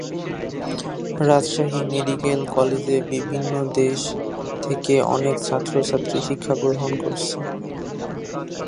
Rajshahi medical কলেজে বিভিন্ন দেশ থেকে অনেক ছাত্র-ছাত্রী শিক্ষা গ্রহণ করেছে।